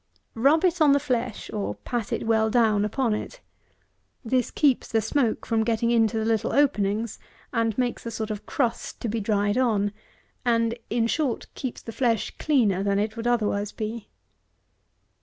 Rub it on the flesh, or pat it well down upon it. This keeps the smoke from getting into the little openings, and makes a sort of crust to be dried on; and, in short, keeps the flesh cleaner than it would otherwise be.